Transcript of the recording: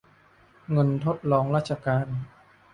เงินทดรองราชการ